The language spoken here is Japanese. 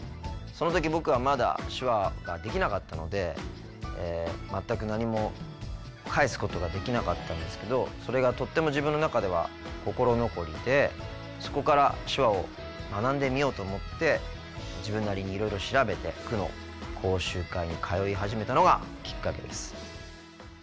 その時僕はまだ手話はできなかったので全く何も返すことができなかったんですけどそれがとっても自分の中では心残りでそこから手話を学んでみようと思って自分なりにいろいろ調べて区の講習会に通い始めたのがきっかけです。